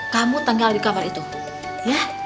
kamu tinggal di kamar itu ya